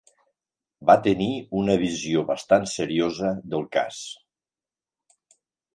Va tenir una visió bastant seriosa del cas.